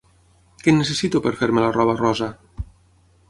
Què necessito per fer-me la roba rosa?